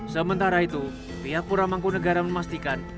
sementara itu pihak pura mangkunegara memastikan